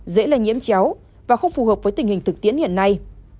dễ lây nhiễm chéo và không phù hợp với tình hình thực tiễn hiện nay